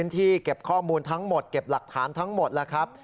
ที่เก็บข้อมูลทั้งหมดเก็บหลักฐานทั้งหมดแล้วครับ